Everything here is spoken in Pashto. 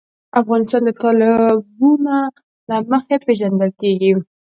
افغانستان د تالابونه له مخې پېژندل کېږي.